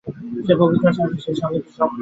যে পবিত্র ও সাহসী, সে-ই জগতে সব কাজ করিতে পারে।